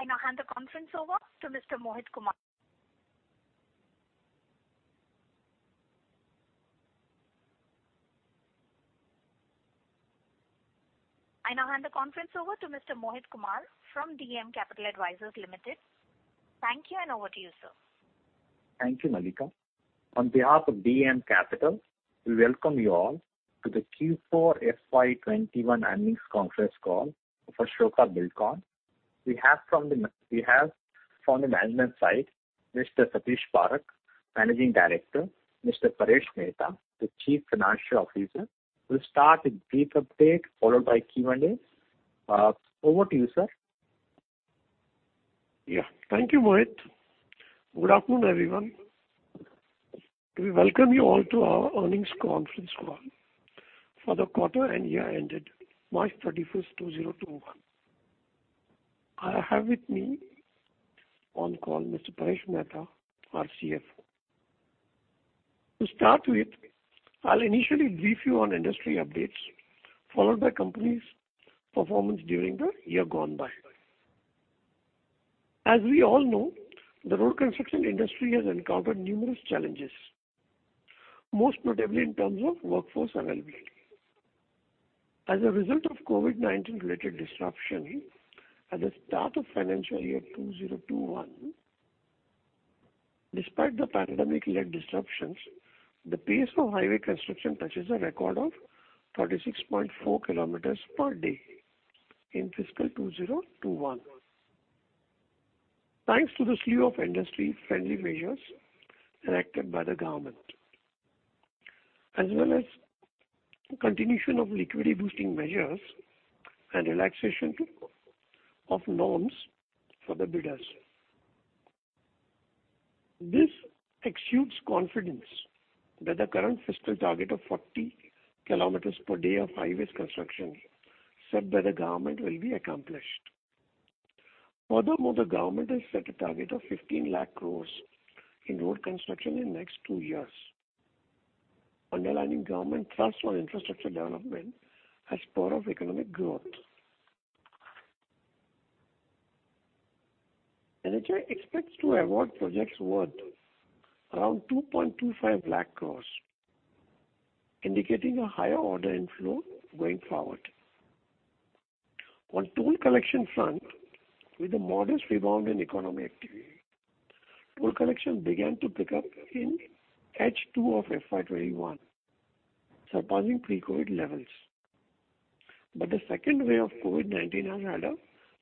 I now hand the conference over to Mr. Mohit Kumar. I now hand the conference over to Mr. Mohit Kumar from DAM Capital Advisors Limited. Thank you, and over to you, sir. Thank you, Mallika. On behalf of DAM Capital, we welcome you all to the Q4 FY 2021 earnings conference call for Ashoka Buildcon. We have from the management side, Mr. Satish Parakh, Managing Director, Mr. Paresh Mehta, the Chief Financial Officer. We'll start with a brief update, followed by Q&A. Over to you, sir. Yeah. Thank you, Mohit. Good afternoon, everyone. We welcome you all to our earnings conference call for the quarter and year ended March 31, 2021. I have with me on call Mr. Paresh Mehta, our CFO. To start with, I'll initially brief you on industry updates, followed by the company's performance during the year gone by. As we all know, the road construction industry has encountered numerous challenges, most notably in terms of workforce availability. As a result of COVID-19 related disruption at the start of financial year 2021, despite the pandemic-led disruptions, the pace of highway construction touches a record of 36.4 kilometers per day in fiscal 2021. Thanks to the slew of industry-friendly measures enacted by the government, as well as continuation of liquidity-boosting measures and relaxation of norms for the bidders. This exudes confidence that the current fiscal target of 40 km per day of highways construction, set by the government, will be accomplished. Furthermore, the government has set a target of 1,500,000 crore in road construction in next two years, underlining government trust on infrastructure development as part of economic growth. NHAI expects to award projects worth around 225,000 crore, indicating a higher order inflow going forward. On toll collection front, with a modest rebound in economic activity, toll collection began to pick up in H2 of FY 2021, surpassing pre-COVID levels. But the second wave of COVID-19 has had a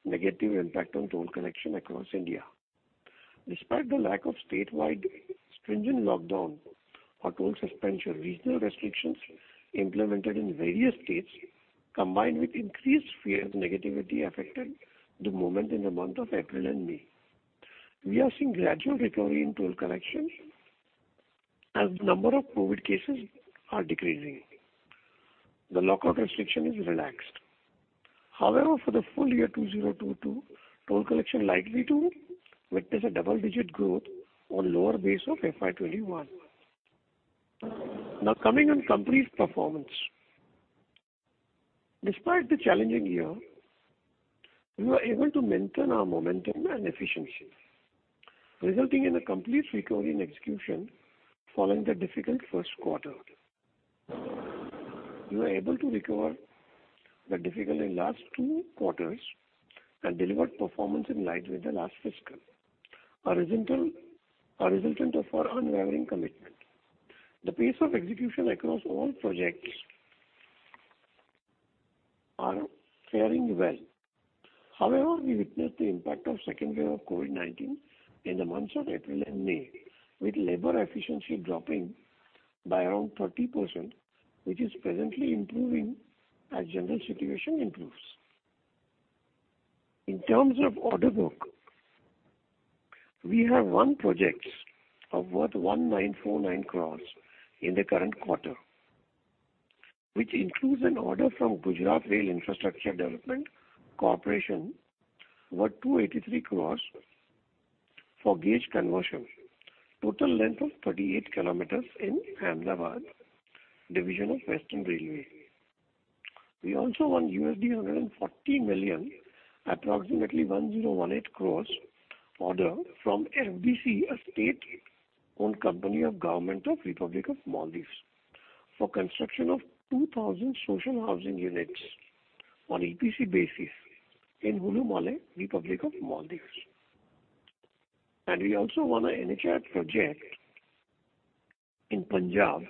negative impact on toll collection across India. Despite the lack of statewide stringent lockdown or toll suspension, regional restrictions implemented in various states, combined with increased fear and negativity, affected the movement in the month of April and May. We are seeing gradual recovery in toll collection as the number of COVID cases are decreasing, the lockdown restriction is relaxed. However, for the full year 2022, toll collection likely to witness a double-digit growth on lower base of FY 2021. Now, coming on company's performance. Despite the challenging year, we were able to maintain our momentum and efficiency, resulting in a complete recovery in execution following the difficult first quarter. We were able to recover the difficulty in last two quarters and delivered performance in line with the last fiscal, a resultant of our unwavering commitment. The pace of execution across all projects are faring well. However, we witnessed the impact of second wave of COVID-19 in the months of April and May, with labor efficiency dropping by around 30%, which is presently improving as general situation improves. In terms of order book, we have won projects worth 1,949 crore in the current quarter, which includes an order from Gujarat Rail Infrastructure Development Corporation, worth 283 crore for gauge conversion, total length of 38 km in Ahmedabad, division of Western Railway. We also won $140 million, approximately 1,018 crore order from FDC, a state-owned company of government of Republic of Maldives, for construction of 2,000 social housing units on EPC basis in Hulhumalé, Republic of Maldives. And we also won a NHAI project in Punjab,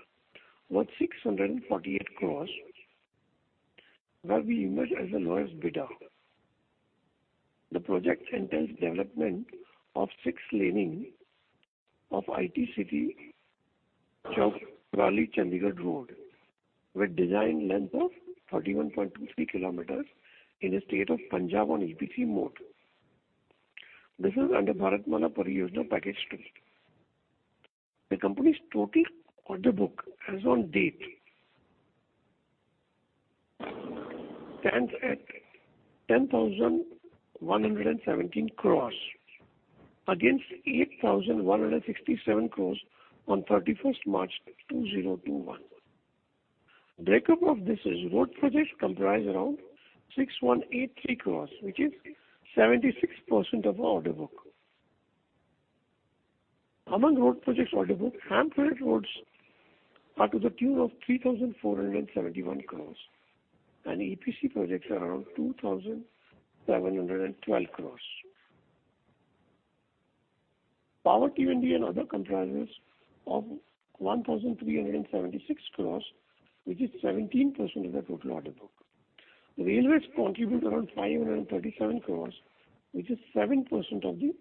worth 648 crore, where we emerged as the lowest bidder. The project entails development of six laning of IT City Chowk, Mohali-Chandigarh Road, with design length of 31.23 kilometers in the state of Punjab on EPC mode. This is under Bharatmala Pariyojana Package 2. The company's total order book, as on date, stands at 10,117 crores, against 8,167 crores on March 31, 2021. The breakup of this is road projects comprise around 6,183 crores, which is 76% of our order book. Among road projects order book, HAM roads are to the tune of 3,471 crores, and EPC projects are around 2,712 crores. Power T&D and other comprises of 1,376 crores, which is 17% of the total order book. Railways contribute around 537 crores, which is 7% of the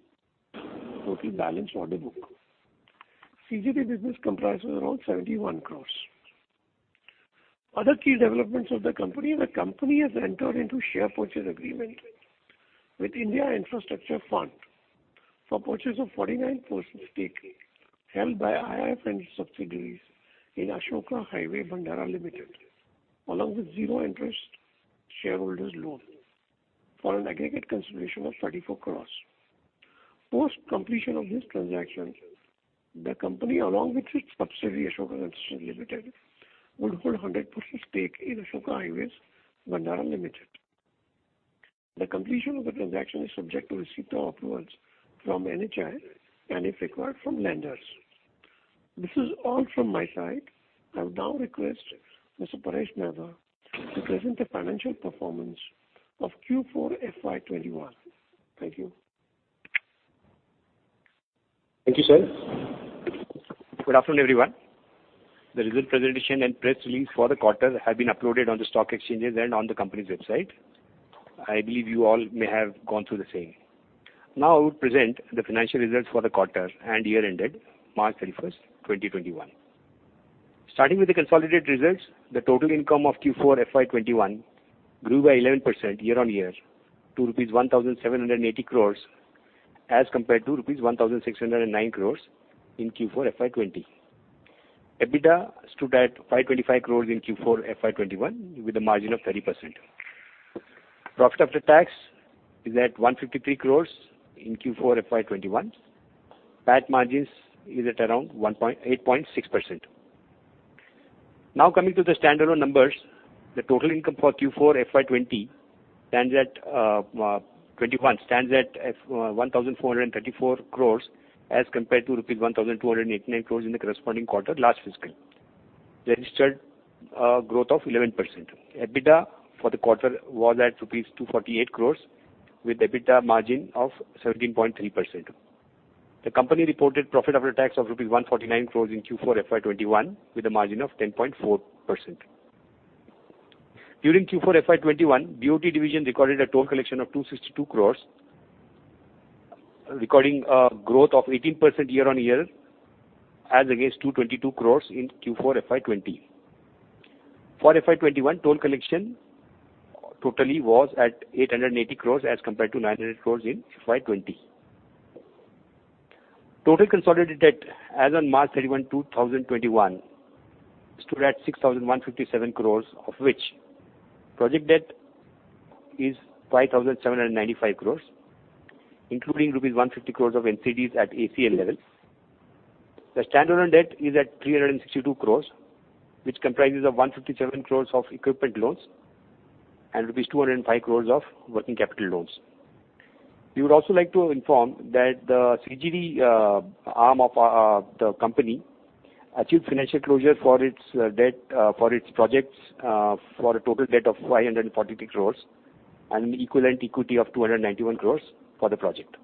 total balance order book. CGD business comprises around 71 crores. Other key developments of the company, the company has entered into share purchase agreement with India Infrastructure Fund for purchase of 49% stake held by IIF and its subsidiaries in Ashoka Highways (Bhandara) Limited, along with zero-interest shareholders' loan for an aggregate consideration of 34 crore. Post-completion of this transaction, the company, along with its subsidiary, Ashoka Concessions Limited, would hold 100% stake in Ashoka Highways (Bhandara) Limited. The completion of the transaction is subject to receipt of approvals from NHAI and, if required, from lenders. This is all from my side. I would now request Mr. Paresh Mehta to present the financial performance of Q4 FY21. Thank you. Thank you, sir. Good afternoon, everyone. The result presentation and press release for the quarter have been uploaded on the stock exchanges and on the company's website. I believe you all may have gone through the same. Now, I will present the financial results for the quarter and year ended March 31, 2021. Starting with the consolidated results, the total income of Q4 FY 2021 grew by 11% year-on-year to rupees 1,780 crore as compared to rupees 1,609 crore in Q4 FY20. EBITDA stood at 525 crore in Q4 FY 2021, with a margin of 30%. Profit after tax is at 153 crore in Q4 FY21. PAT margins is at around 8.6%. Now, coming to the standalone numbers, the total income for Q4 FY 2021 stands at 1,434 crore as compared to rupees 1,289 crore in the corresponding quarter last fiscal, registered growth of 11%. EBITDA for the quarter was at rupees 248 crore, with EBITDA margin of 17.3%. The company reported profit after tax of INR 149 crore in Q4 FY 2021, with a margin of 10.4%. During Q4 FY 2021, BOT division recorded a toll collection of 262 crore, recording growth of 18% year-on-year, as against 222 crore in Q4 FY 2020. For FY 2021, toll collection totally was at 880 crore as compared to 900 crore in FY 2020. Total consolidated debt as on March 31st, 2021, stood at 6,157 crores, of which project debt is 5,795 crores, including rupees 150 crores of NCDs at ACL level. The standalone debt is at 362 crores, which comprises of 157 crores of equipment loans and rupees 205 crores of working capital loans. We would also like to inform that the CGD arm of the company achieved financial closure for its debt for its projects for a total debt of 543 crores and equivalent equity of 291 crores for the project.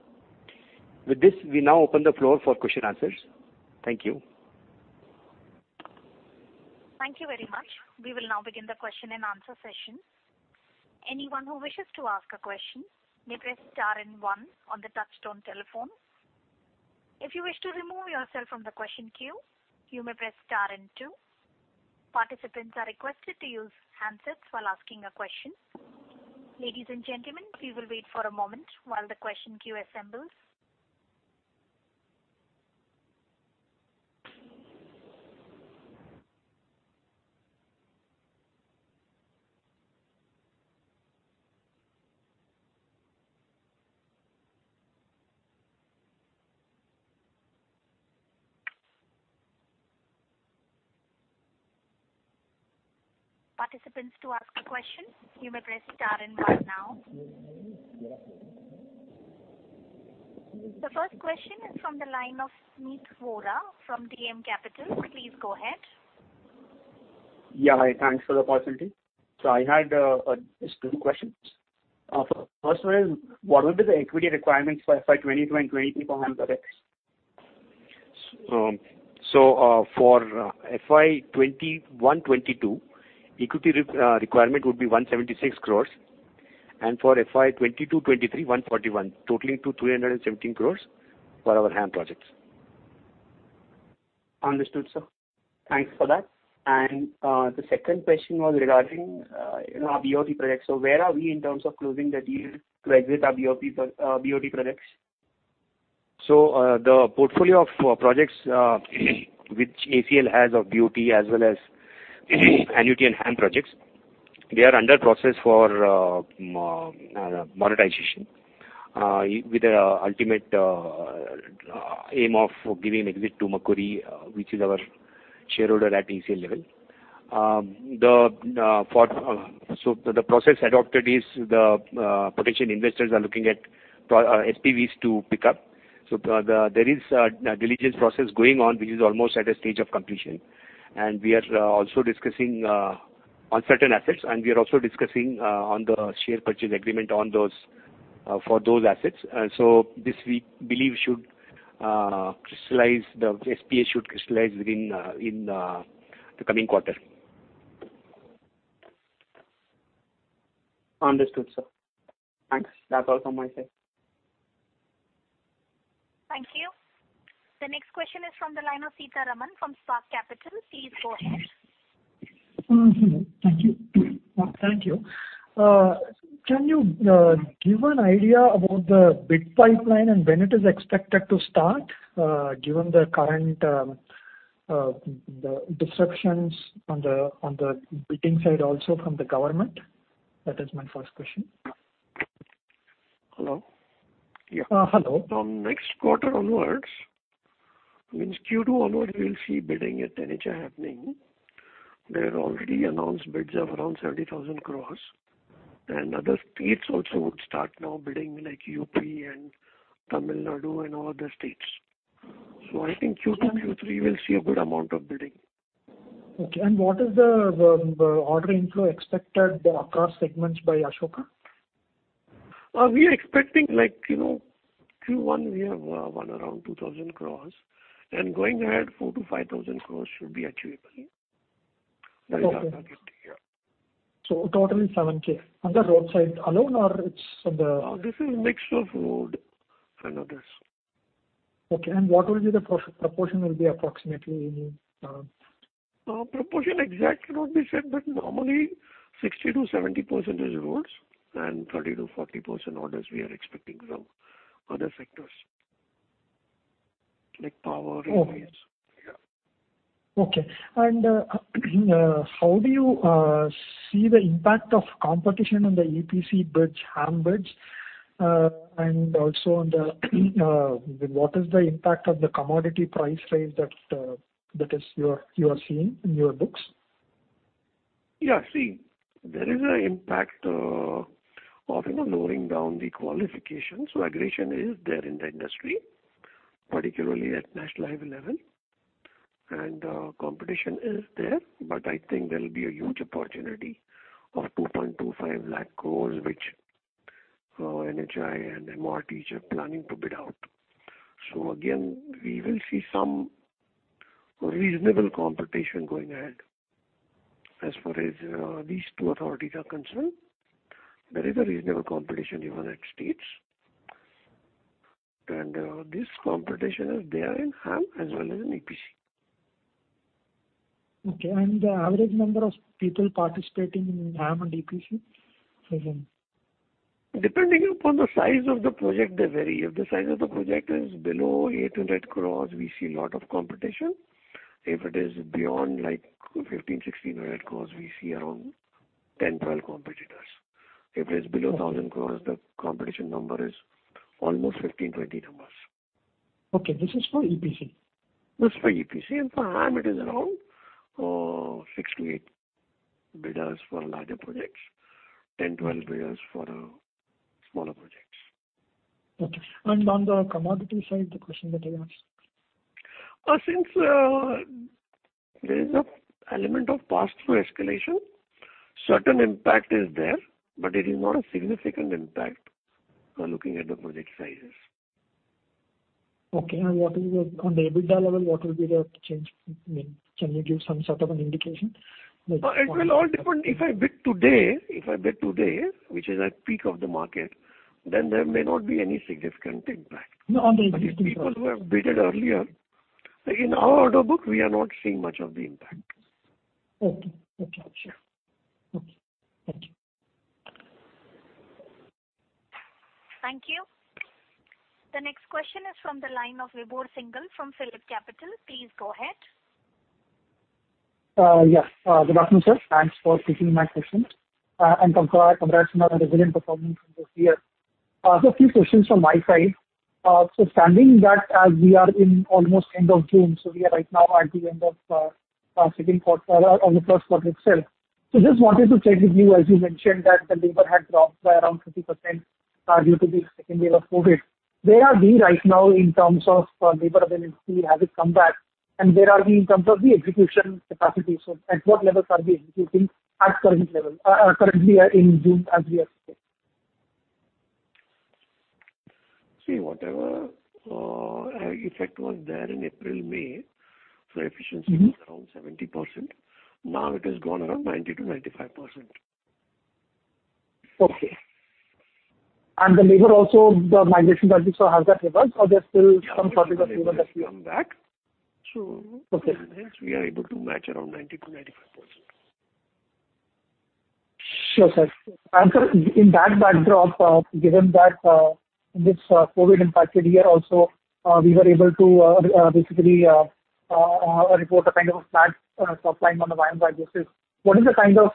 With this, we now open the floor for question answers. Thank you. Thank you very much. We will now begin the question-and-answer session. Anyone who wishes to ask a question may press star and one on the touchtone telephones. If you wish to remove yourself from the question queue, you may press star and two. Participants are requested to use handsets while asking a question. Ladies and gentlemen, we will wait for a moment while the question queue assembles. Participants to ask a question, you may press star and one now. The first question is from the line of Meet Vora from DAM Capital. Please go ahead. Yeah, hi. Thanks for the opportunity. I had just two questions. First one is, what will be the equity requirements for FY 2022 and 2023 for HAM projects? For FY 2021-22, equity requirement would be 176 crores, and for FY 2022-2023, 141 crores, totaling to 317 crores for our HAM projects. Understood, sir. Thanks for that. The second question was regarding our BOT projects. Where are we in terms of closing the deal to exit our BOT, BOT projects? The portfolio of projects, which ACL has of BOT as well as annuity and HAM projects- We are under process for monetization with the ultimate aim of giving exit to Macquarie, which is our shareholder at ACL level. So the process adopted is the potential investors are looking at SPVs to pick up. So there is a diligence process going on, which is almost at a stage of completion. And we are also discussing on certain assets, and we are also discussing on the share purchase agreement on those for those assets. And so this we believe should crystallize, the SPA should crystallize within the coming quarter. Understood, sir. Thanks. That's all from my side. Thank you. The next question is from the line of Seetharaman from Spark Capital. Please go ahead. Mm-hmm. Thank you. Thank you. Can you give an idea about the bid pipeline and when it is expected to start, given the current, the disruptions on the bidding side, also from the government? That is my first question. Hello? Yeah. Uh, hello. From next quarter onwards, means Q2 onwards, we'll see bidding at NHAI happening. There are already announced bids of around 70,000 crore, and other states also would start now bidding, like UP and Tamil Nadu, and all other states. So I think Q2, Q3, we'll see a good amount of bidding. Okay. And what is the order inflow expected across segments by Ashoka? We are expecting, like, you know, Q1, we have won around 2,000 crore. And going ahead, 4,000 crore-5,000 crore should be achievable. Okay. That is our target. Yeah. So totally 7K. On the roadside alone, or it's on the- This is a mix of road and others. Okay. And what will be the proportion approximately? Proportion exact cannot be said, but normally 60%-70% is roads, and 30%-40% orders we are expecting from other sectors, like power, railways. Okay. Yeah. Okay. How do you see the impact of competition on the EPC bids, HAM bids? And also, what is the impact of the commodity price rise that you are seeing in your books? Yeah, see, there is an impact of, you know, lowering down the qualifications. So aggression is there in the industry, particularly at national highway level. And competition is there, but I think there will be a huge opportunity of 225,000 crore, which NHAI and MoRTH are planning to bid out. So again, we will see some reasonable competition going ahead, as far as these two authorities are concerned. There is a reasonable competition even at states. And this competition is there in HAM as well as in EPC. Okay. And the average number of people participating in HAM and EPC? Depending upon the size of the project, they vary. If the size of the project is below 800 crore, we see a lot of competition. If it is beyond, like, 1,500-1,600 crore, we see around 10, 12 competitors. If it is below 1,000 crore, the competition number is almost 15, 20 numbers. Okay, this is for EPC? This is for EPC, and for HAM, it is around six to eight bidders for larger projects, 10, 12 bidders for smaller projects. Okay. And on the commodity side, the question that I asked? Since there is an element of pass-through escalation, certain impact is there, but it is not a significant impact, looking at the project sizes. Okay. And on the EBITDA level, what will be the change? I mean, can you give some sort of an indication? It will all depend. If I bid today, if I bid today, which is at peak of the market, then there may not be any significant impact. No, on the- If people who have bid earlier... In our order book, we are not seeing much of the impact. Okay. Thank you. Thank you. The next question is from the line of Vibhor Singhal from Phillip Capital. Please go ahead. Yes. Good afternoon, sir. Thanks for taking my question. And congrats on the resilient performance from this year. So a few questions from my side. So standing back, as we are in almost end of June, so we are right now at the end of our second quarter, or the first quarter itself. So just wanted to check with you, as you mentioned, that the labor had dropped by around 50%, due to the second wave of Covid. Where are we right now in terms of labor availability? Has it come back? And where are we in terms of the execution capacity? So at what levels are we executing at current level, currently in June, as we are today? See, whatever effect was there in April, May, for efficiency was around 70%. Now, it has gone around 90%-95%. Okay. The labor also, the migration patterns, so has that revived, or there's still some problems with labor that we have? Come back. Okay. Hence, we are able to match around 90%-95%. Sure, sir. And in that backdrop, given that, this COVID-impacted year also, we were able to basically report a kind of a flat top line on the YoY basis. What is the kind of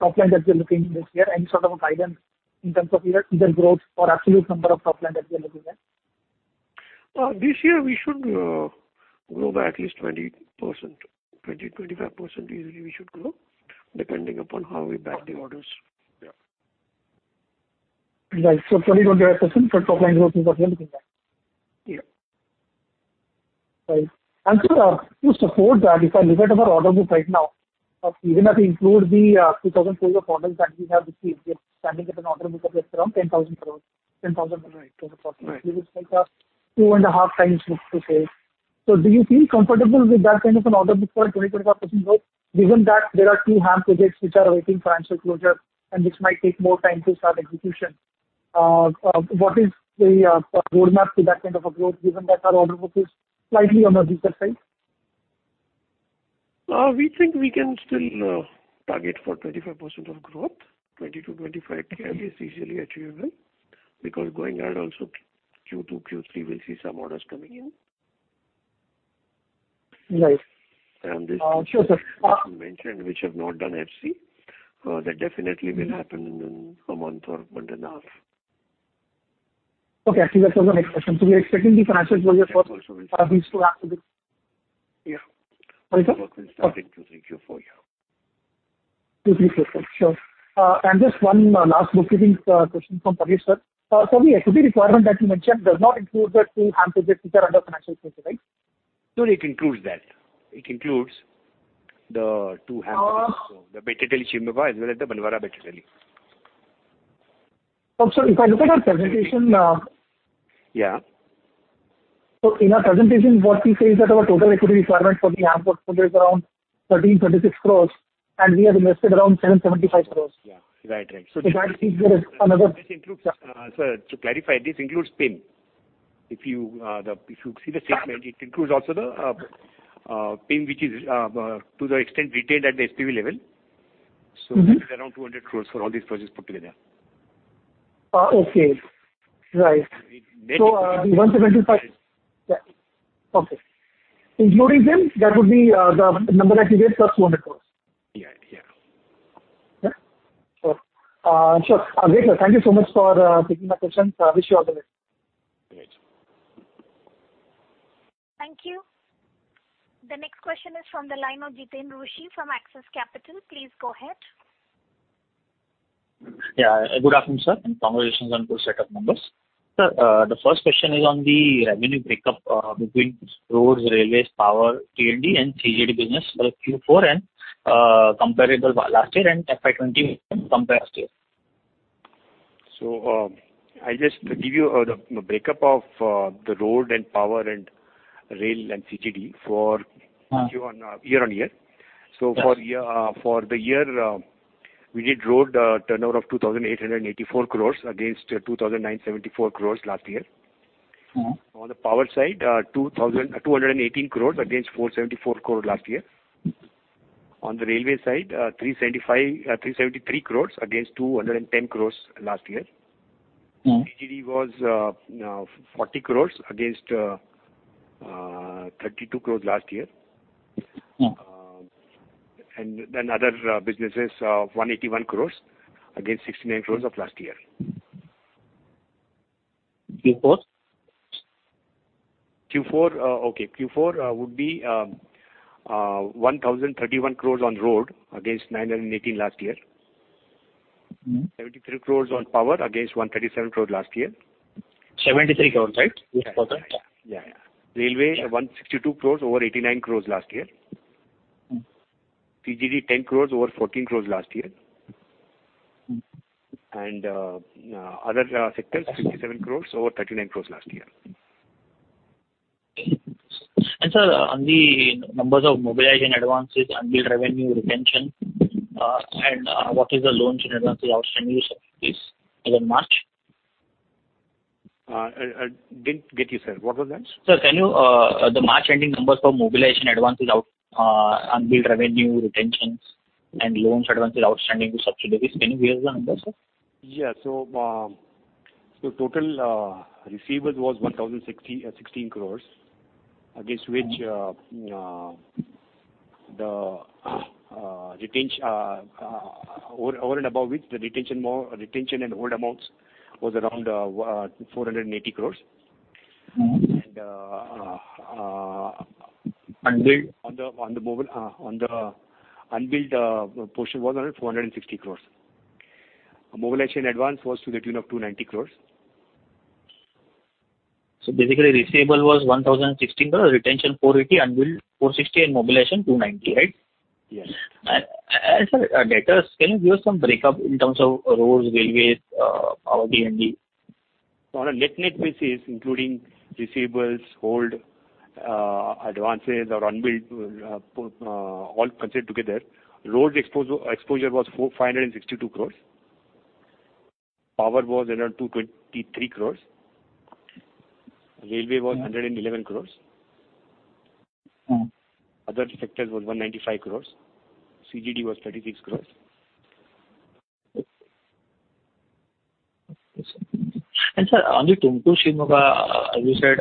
top line that you're looking this year? Any sort of a guidance in terms of either, either growth or absolute number of top line that you're looking at? This year we should grow by at least 20%. 20%-25% easily we should grow, depending upon how we bag the orders. Yeah. Right. So 20%-25% for top line growth is what you're looking at? Yeah. Right. And so, to support that, if I look at our order book right now, even if we include the 2,000 crore projects that we have received, we are standing at an order book of around 10,000 crore, 10,000 crore. Right. Which is like a 2.5 times book to sales. So do you feel comfortable with that kind of an order book for 20%-25% growth, given that there are two HAM projects which are awaiting financial closure, and which might take more time to start execution? What is the road map to that kind of a growth, given that our order book is slightly on the weaker side? We think we can still target for 25% of growth. 20%-25%, again, is easily achievable, because going ahead also, Q2, Q3, we'll see some orders coming in. Right. And this- Sure, sir. I mentioned, which have not done FC. That definitely will happen in a month or month and a half. Okay, actually, that's my next question. So we are expecting the financial closure for- That also will come. These two activities. Yeah. Sorry, sir? Work will start in Q2, Q3, Q4, yeah. Two, three, Q4. Sure. And just one last bookkeeping question from Paresh, sir. So the equity requirement that you mentioned does not include the two HAM projects which are under financial closure, right? No, it includes that. It includes the two HAM projects. Oh. So the Bettadahalli Shivamogga, as well as the Banavara Bettadahalli. But, sir, if I look at our presentation, Yeah. In our presentation, what we say is that our total equity requirement for the HAM portfolio is around 1,336 crore, and we have invested around 775 crore. Yeah. Right, right. So that is another- This includes, sir, to clarify, this includes PIM. If you see the statement, it includes also the PIM, which is to the extent retained at the SPV level. Mm-hmm. This is around 200 crore for all these projects put together. Okay. Right. Then- The 175 crore. Yeah. Okay. Including them, that would be, the number actually plus 200 crore? Yeah, yeah. Yeah. So, sure. Great, sir. Thank you so much for taking my questions. I wish you all the best. Great. Thank you. The next question is from the line of Jiten Rushi from Axis Capital. Please go ahead. Yeah, good afternoon, sir, and congratulations on good set of numbers. Sir, the first question is on the revenue break-up between roads, railways, power, T&D, and CGD business for Q4 and comparable last year and FY 2020 compared to this. I'll just give you the breakup of the road and power and rail and CGD for- Mm-hmm. Q on, year on year. Yes. For the year, we did road turnover of 2,884 crore against 2,974 crore last year. Mm-hmm. On the power side, 2,218 crores against 474 crore last year. Mm. On the railway side, 373 crore against 210 crore last year. Mm. CGD was 40 crores against 32 crores last year. Mm. And then other businesses, 181 crores, against 69 crores of last year. Q4? Q4, okay. Q4 would be 1,031 crore on road, against 918 crore last year. Mm-hmm. 73 crore on power, against 137 crore last year. 73 crore, right? Yeah. Yeah, yeah. Mm. Railway, 162 crore, over 89 crore last year. Mm. CGD, 10 crores, over 14 crores last year. Mm. other sectors, 57 crore, over 39 crore last year. Sir, on the numbers of mobilization advances, unbilled revenue retention, and what is the loans and advances outstanding, please, as on March? I didn't get you, sir. What was that? Sir, can you, the March ending numbers for mobilization advances out, unbilled revenue, retentions, and loans advances outstanding to subsidiaries. Can you give the numbers, sir? Yeah. So, total receivables was 1,061.6 crores, against which the retention over, over and above which the retention more, retention and hold amounts was around 480 crores. Mm-hmm. And Unbilled? On the mobilization, the unbilled portion was around 460 crore. Mobilization advance was to the tune of 290 crore. So basically, receivable was 1,016 crores, retention 480 crores, unbilled 460 crores, and mobilization 290 crores, right? Yes. Sir, debtors, can you give some break-up in terms of roads, railways, power, D&D? On a net-net basis, including receivables, hold, advances or unbilled, all considered together, road exposure was 4,562 crore. Power was around 223 crore. Railway was 111 crore. Mm. Other sectors was 195 crores. CGD was 36 crores. Okay.... And sir, on the Tumkur-Shivamogga, as you said,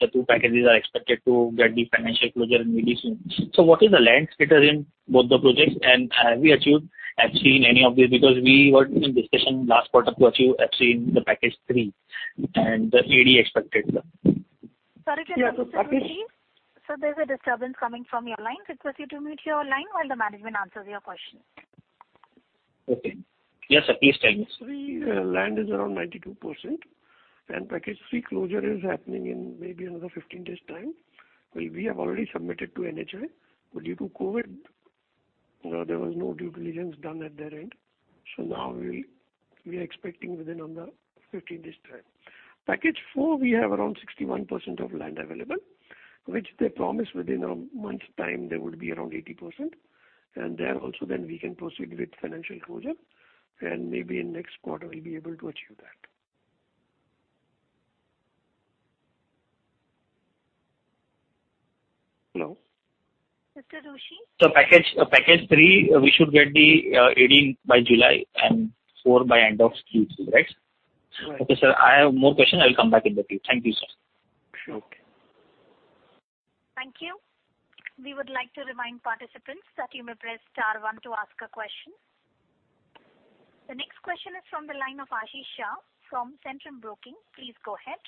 the two packages are expected to get the financial closure maybe soon. So what is the land status in both the projects, and have we achieved actually in any of these? Because we were in discussion last quarter to achieve actually in the package three, and the AD expected, sir. Sorry to interrupt, Mr. Rushi. Sir, there's a disturbance coming from your line. Request you to mute your line while the management answers your question. Okay. Yes, sir, please tell. Package three, land is around 92%, and package three closure is happening in maybe another 15 days' time. Well, we have already submitted to NHAI, but due to COVID, there was no due diligence done at their end. So now we are expecting within another 15 days' time. Package four, we have around 61% of land available, which they promised within a month's time, they would be around 80%. And there also, then we can proceed with financial closure, and maybe in next quarter, we'll be able to achieve that. Hello? Mr. Rushi? So package three, we should get the AD by July and four by end of Q2, right? Right. Okay, sir, I have more questions. I will come back in the queue. Thank you, sir. Sure. Thank you. We would like to remind participants that you may press star one to ask a question. The next question is from the line of Ashish Shah from Centrum Broking. Please go ahead.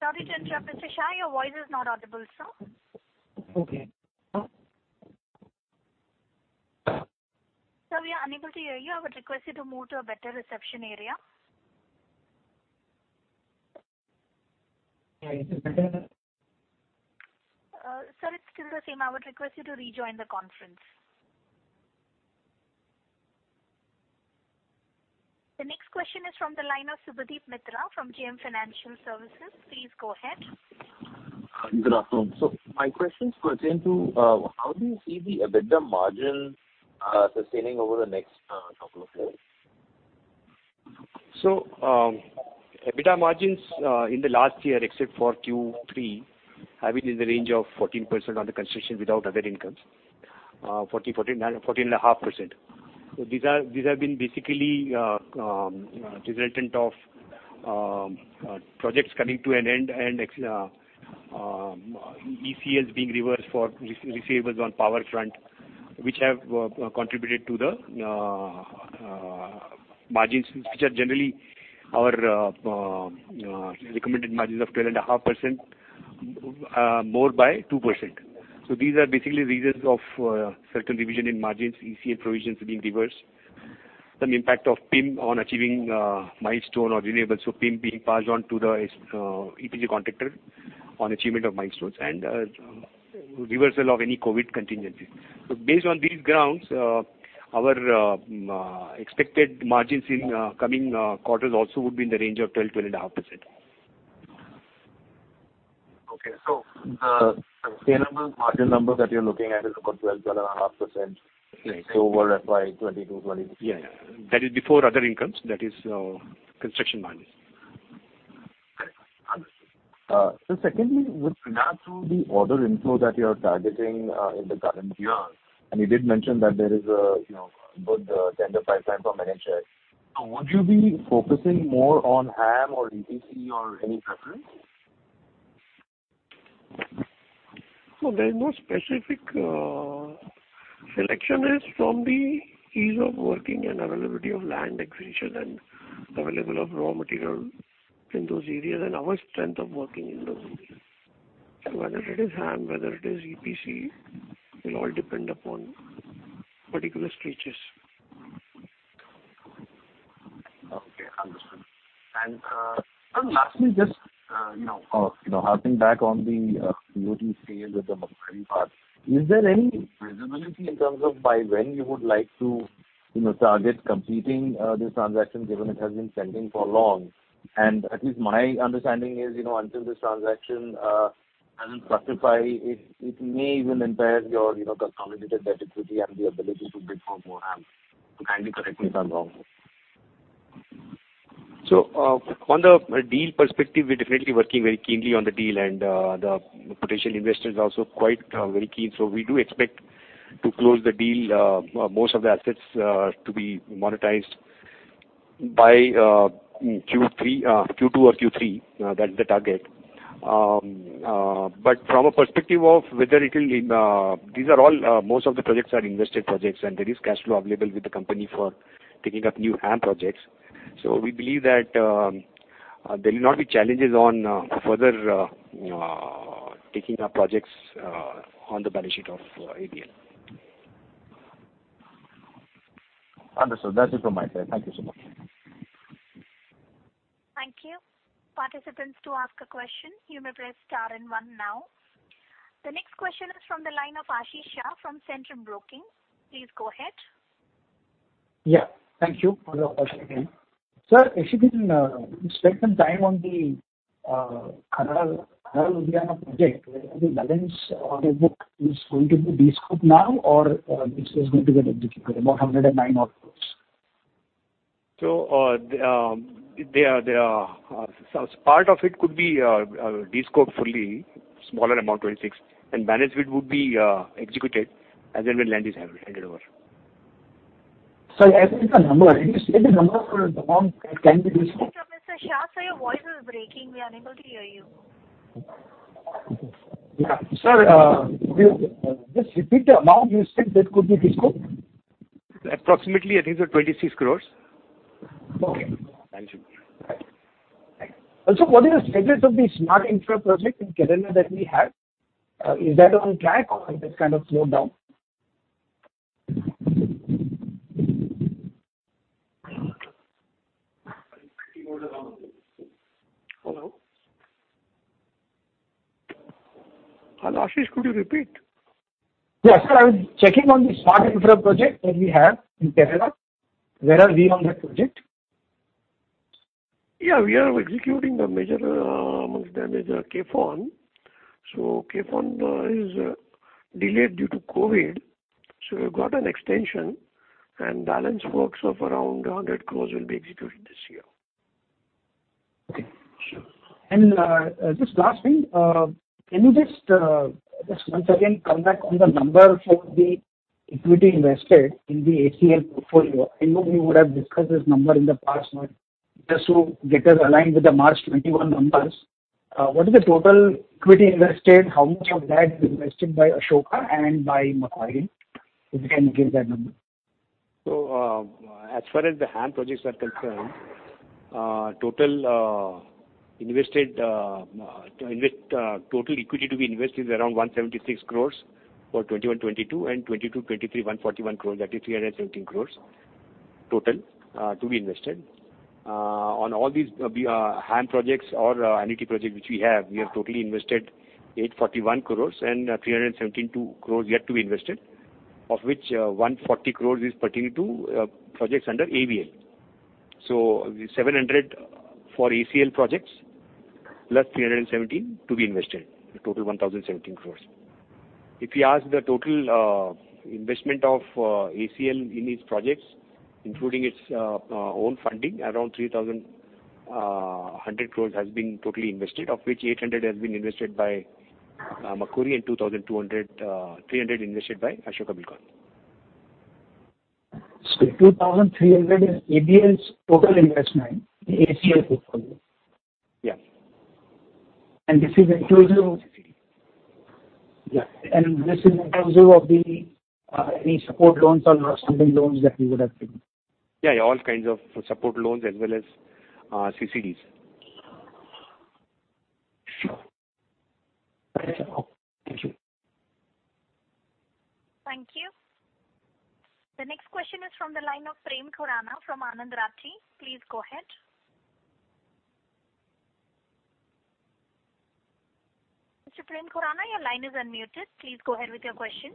Sorry to interrupt, Mr. Shah, your voice is not audible, sir. Okay. Sir, we are unable to hear you. I would request you to move to a better reception area. Hi, is it better now? Sir, it's still the same. I would request you to rejoin the conference. The next question is from the line of Subhadip Mitra from JM Financial Services. Please go ahead. Hi, good afternoon. So my questions pertain to how do you see the EBITDA margin sustaining over the next couple of years? So, EBITDA margins in the last year, except for Q3, have been in the range of 14% on the construction without other incomes, 14%, 14.5%. So these are, these have been basically resultant of projects coming to an end, and ECLs being reversed for receivables on power front, which have contributed to the margins, which are generally our recommended margins of 12.5%, more by 2%. So these are basically reasons of certain division in margins, ECL provisions being reversed, some impact of PIM on achieving milestone or enable, so PIM being passed on to the EPC contractor on achievement of milestones and reversal of any COVID contingencies. Based on these grounds, our expected margins in coming quarters also would be in the range of 12%-12.5%. Okay. So the sustainable margin number that you're looking at is about 12%-12.5%. Right. -over FY 2022, 2023 Yeah. That is before other incomes. That is, construction margins. So secondly, with regard to the order inflow that you are targeting, in the current year, and you did mention that there is a, you know, good tender pipeline from NHAI. Would you be focusing more on HAM or EPC or any preference? There is no specific selection from the ease of working and availability of land acquisition and available of raw material in those areas and our strength of working in those areas. Whether it is HAM, whether it is EPC, it will all depend upon particular stretches. Okay, understood. And, sir, lastly, just, you know, harping back on the debt scale with the Macquarie part, is there any visibility in terms of by when you would like to, you know, target completing this transaction, given it has been pending for long? And at least my understanding is, you know, until this transaction doesn't rectify, it, it may even impair your, you know, consolidated debt equity and the ability to bid for more HAM. Kindly correct me if I'm wrong. So, on the deal perspective, we're definitely working very keenly on the deal, and the potential investor is also quite very keen. So we do expect to close the deal, most of the assets to be monetized by Q3, Q2 or Q3. That's the target. But from a perspective of whether it will... These are all most of the projects are invested projects, and there is cash flow available with the company for taking up new HAM projects. So we believe that there will not be challenges on further taking up projects on the balance sheet of ACL. Understood. That's it from my side. Thank you so much. Thank you. Participants, to ask a question, you may press star and one now. The next question is from the line of Ashish Shah from Centrum Broking. Please go ahead. Yeah, thank you for the opportunity. Sir, if you can spend some time on the Kharagpur project, the balance on your book is going to be de-scoped now, or this is going to get executed, about 109 crore?... So, they are so part of it could be descoped fully, smaller amount, 26, and balance of it would be executed as and when land is handed over. Sir, I think the number, can you state the number for the amount that can be descoped? Mr. Shah, sir, your voice is breaking. We are unable to hear you. Yeah. Sir, just repeat the amount you said that could be descoped? Approximately, I think it's 26 crore. Okay. Thank you. Right. Thanks. Also, what is the status of the smart infra project in Kerala that we have? Is that on track or it has kind of slowed down? Hello? Hello, Ashish, could you repeat? Yeah, sir, I was checking on the smart infra project that we have in Kerala. Where are we on that project? Yeah, we are executing the major, amongst them is KFON. So KFON is delayed due to COVID, so we've got an extension, and balance works of around 100 crore will be executed this year. Okay, sure. And, just last thing, can you just, just once again come back on the number for the equity invested in the ACL portfolio? I know we would have discussed this number in the past, but just to get us aligned with the March 2021 numbers, what is the total equity invested? How much of that is invested by Ashoka and by Macquarie, if you can give that number. So, as far as the HAM projects are concerned, total invested to invest total equity to be invested is around 176 crore for 2021, 2022, and 2023, 141 crore, that is 317 crore total to be invested. On all these HAM projects or any project which we have, we have totally invested 841 crore and 317 crore yet to be invested, of which 140 crore is pertaining to projects under ABL. So the 700 crore for ACL projects, plus 317 crore to be invested, a total 1,017 crore. If you ask the total investment of ACL in its projects, including its own funding, around 3,100 crore has been totally invested, of which 800 crore has been invested by Macquarie, and 2,300 crore invested by Ashoka Buildcon. 2,300 is ABL's total investment in ACL portfolio? Yes. This is inclusive of- Yeah. This is inclusive of any support loans or something loans that we would have taken? Yeah, all kinds of support loans as well as CCDs. Sure. Thank you, sir. Thank you. Thank you. The next question is from the line of Prem Khurana from Anand Rathi. Please go ahead. Mr. Prem Khurana, your line is unmuted. Please go ahead with your question.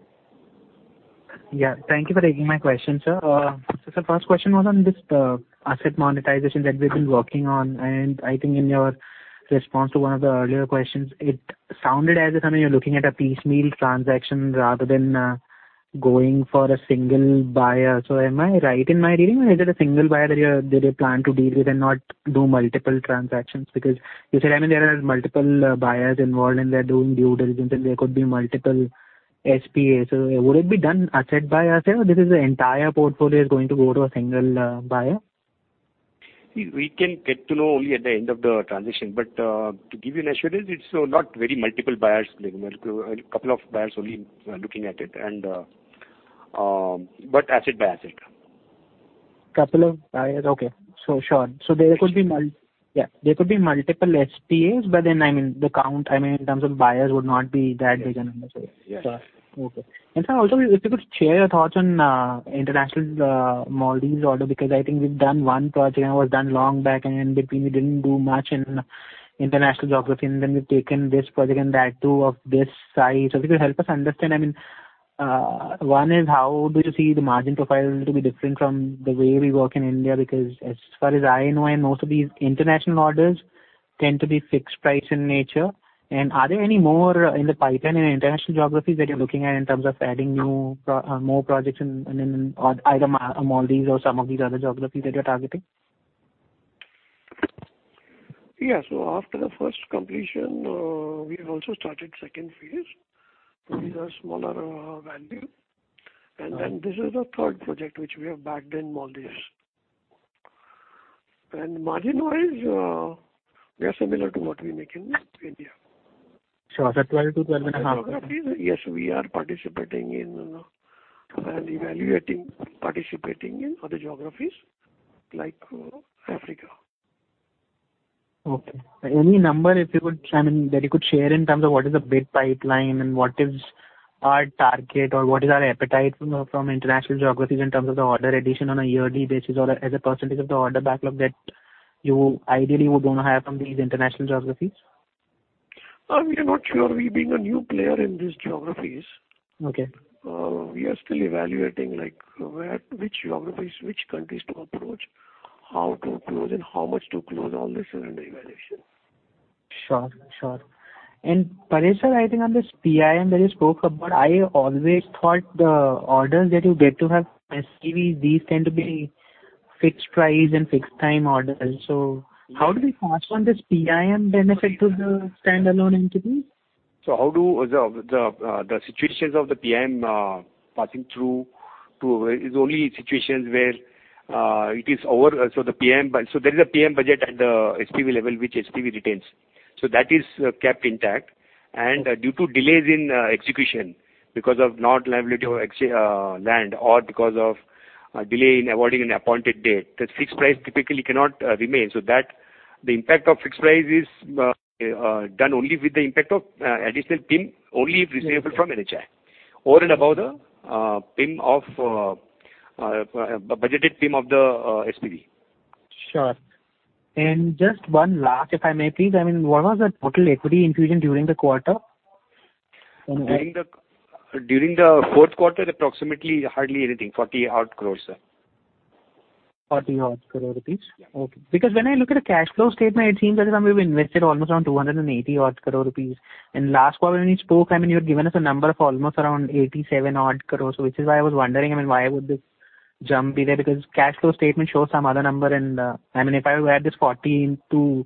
Yeah, thank you for taking my question, sir. So the first question was on this asset monetization that we've been working on, and I think in your response to one of the earlier questions, it sounded as if, I mean, you're looking at a piecemeal transaction rather than going for a single buyer. So am I right in my reading, or is it a single buyer that you plan to deal with and not do multiple transactions? Because you said, I mean, there are multiple buyers involved, and they're doing due diligence, and there could be multiple SPAs. So would it be done asset by asset, or this is the entire portfolio is going to go to a single buyer? We can get to know only at the end of the transition. But, to give you an assurance, it's not very multiple buyers. There are a couple of buyers only looking at it, and, but asset by asset. Couple of buyers, okay. So sure. So there could be multiple SPAs, but then, I mean, the count, I mean, in terms of buyers, would not be that big a number. Yes. Okay. And sir, also, if you could share your thoughts on international Maldives order, because I think we've done one project and was done long back, and between we didn't do much in international geography, and then we've taken this project and that, too, of this size. So if you could help us understand, I mean, one is, how do you see the margin profile to be different from the way we work in India? Because as far as I know, and most of these international orders tend to be fixed price in nature. And are there any more in the pipeline in international geographies that you're looking at in terms of adding more projects in either Maldives or some of these other geographies that you're targeting? Yeah. So after the first completion, we have also started second phase. These are smaller value. And then this is the third project which we have bagged in Maldives. And margin-wise, they are similar to what we make in India. Sure. So 12%-12.5%. Yes, we are participating in and evaluating, participating in other geographies like Africa. Okay. Any number, if you would, I mean, that you could share in terms of what is the big pipeline and what is our target or what is our appetite from international geographies in terms of the order addition on a yearly basis or as a percentage of the order backlog that you ideally would want to have from these international geographies? We are not sure. We being a new player in these geographies. Okay. We are still evaluating, like, where, which geographies, which countries to approach, how to close and how much to close. All this is under evaluation.... Sure, sure. And Paresh, sir, I think on this PIM that you spoke about, I always thought the orders that you get to have SPV, these tend to be fixed price and fixed time orders. So how do we pass on this PIM benefit to the standalone entities? So how do the situations of the PIM passing through to is only situations where it is over. So the PIM, so there is a PIM budget at the SPV level, which SPV retains. So that is kept intact. And due to delays in execution, because of non-availability of land or because of delay in awarding an appointed date, the fixed price typically cannot remain. So that the impact of fixed price is done only with the impact of additional PIM, only if receivable from NHAI, over and above the PIM of the budgeted PIM of the SPV. Sure. And just one last, if I may please, I mean, what was the total equity infusion during the quarter? And- During the fourth quarter, approximately hardly anything, 40 odd crores, sir. 40-odd crore rupees? Yeah. Okay. Because when I look at the cash flow statement, it seems as if we've invested almost around 280-odd crore rupees. And last quarter, when you spoke, I mean, you had given us a number of almost around 87 crore. So which is why I was wondering, I mean, why would this jump be there? Because cash flow statement shows some other number, and, I mean, if I were to add this 14 core to